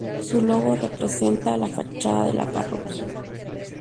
Su logo representa la fachada de la parroquia.